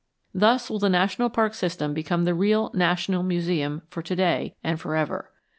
Thus will the national parks system become the real national museum for to day and forever.